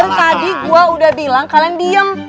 buset dari tadi gua udah bilang kalian diem